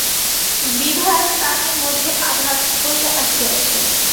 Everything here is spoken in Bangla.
বিভার প্রাণের মধ্যে আঁধার করিয়া আসিয়াছে।